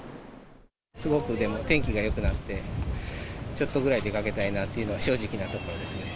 すごく、天気がよくなって、ちょっとぐらい出かけたいなっていうのは正直なところですね。